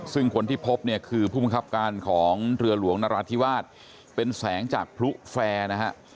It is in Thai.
ซึ่งคนที่พบเนี่ยคือผู้บังคับการของเรือหลวงนราธิวาสเป็นแสงจากพลุแฟร์นะฮะ